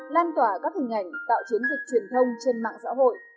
lan tỏa các hình ảnh tạo chiến dịch truyền thông trên mạng xã hội